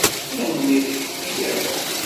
Tanemmirt i kenwi akk.